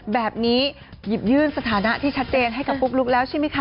แบบนี้หยิบยื่นสถานะที่ชัดเจนให้กับปุ๊กลุ๊กแล้วใช่ไหมคะ